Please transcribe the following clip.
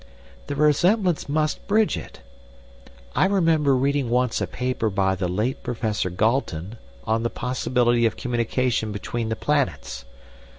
"The resemblance must bridge it. I remember reading once a paper by the late Professor Galton on the possibility of communication between the planets.